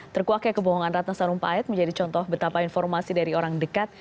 terkuaknya kebohongan ratna sarumpayat menjadi contoh betapa informasi dari orang dekat